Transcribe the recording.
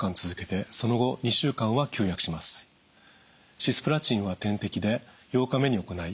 シスプラチンは点滴で８日目に行い